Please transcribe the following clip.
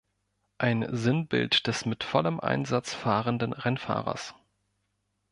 Ein Sinnbild des mit vollem Einsatz fahrenden Rennfahrers.